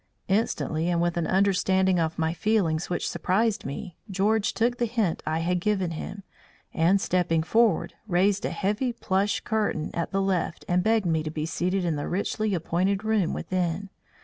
Instantly, and with an understanding of my feelings which surprised me, George took the hint I had given him, and stepping forward, raised a heavy plush curtain at the left and begged me to be seated in the richly appointed room within.